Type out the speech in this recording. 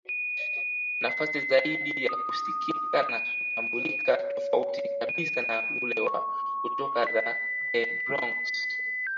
Nafasi zaidi ya kusikika na kutambulika tofauti kabisa na ule wa kutoka The Bronx